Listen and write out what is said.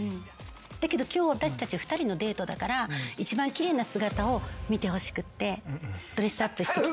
だけど今日私たち２人のデートだから１番奇麗な姿を見てほしくてドレスアップしてきちゃった。